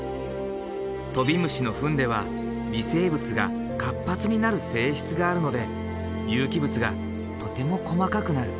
トビムシの糞では微生物が活発になる性質があるので有機物がとても細かくなる。